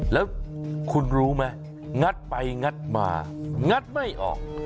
แล้วคุณรู้ไหมงัดไปงัดมางัดไม่ออก